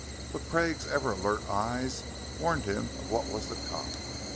But Craig's ever alert eyes warned him of what was to come.